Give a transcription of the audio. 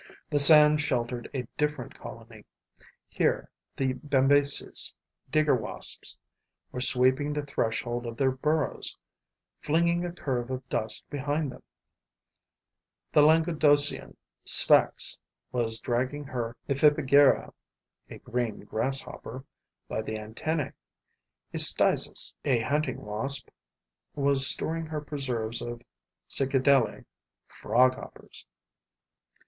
The sand sheltered a different colony. Here, the Bembeces [digger wasps] were sweeping the threshold of their burrows, flinging a curve of dust behind them; the Languedocian Sphex was dragging her Ephippigera [a green grasshopper] by the antennae; a Stizus [a hunting wasp] was storing her preserves of Cicadellae [froghoppers].